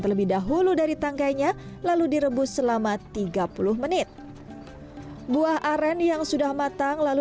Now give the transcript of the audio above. terlebih dahulu dari tangkainya lalu direbus selama tiga puluh menit buah aren yang sudah matang lalu